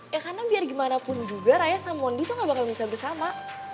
ya karena biar gimana pun juga raya sama mondi tuh gak bakal bisa bersama